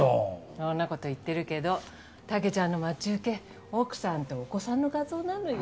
そんなこと言ってるけどタケちゃんの待ち受け奥さんとお子さんの画像なのよ。